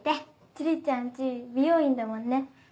樹里ちゃん家美容院だもんね。